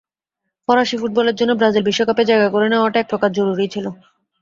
ফরাসি ফুটবলের জন্য ব্রাজিল বিশ্বকাপে জায়গা করে নেওয়াটা একপ্রকার জরুরিই ছিল।